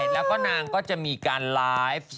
แล้วก็นางก็จะมีการไลฟ์